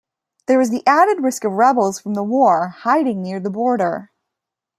There was the added risk of rebels from the war hiding near the border.